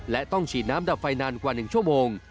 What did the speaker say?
และต้องฉีดน้ำดับไฟนานกว่า๑ชั่วโมง